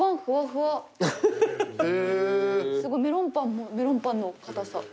すごいメロンパンもメロンパンの硬さ。